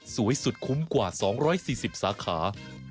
สวยสุดคุ้มกว่า๒๔๐สาขา